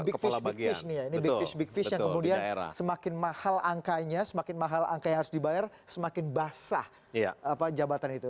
big fish big fish nih ya ini big fish big fish yang kemudian semakin mahal angkanya semakin mahal angka yang harus dibayar semakin basah jabatan itu